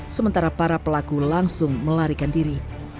sementara para pelaku langsung melarikan diri